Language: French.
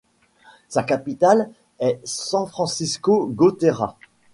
Sa capitale est San Francisco Gotera.